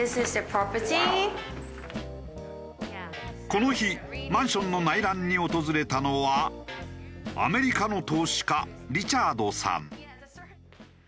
この日マンションの内覧に訪れたのはアメリカの投資家リチャードさん。